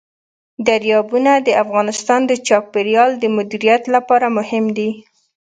دریابونه د افغانستان د چاپیریال د مدیریت لپاره مهم دي.